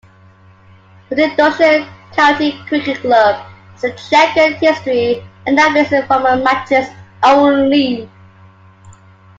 Huntingdonshire County Cricket Club has a chequered history and now plays informal matches only.